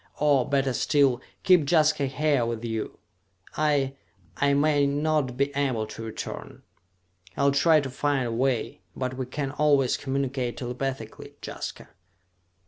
Or, better still, keep Jaska here with you! I ... I may not be able to return! I'll try to find a way, but we can always communicate telepathically. Jaska...."